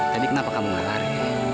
tadi kenapa kamu gak lari